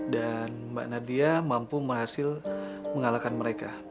dan mbak nadia mampu menghasil mengalahkan mereka